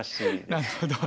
なるほど。